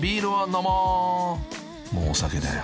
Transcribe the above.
［もうお酒だよ］